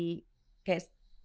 kayak di anggota panja juga ya